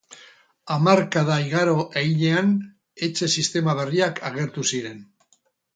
Hamarkada igaro heinean, etxe-sistema berriak agertu ziren.